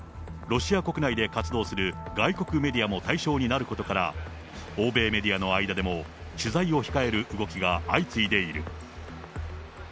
ロシア国内で活動する外国メディアも対象になることから、欧米メディアの間でも、取材を控える動きが相次いでいる。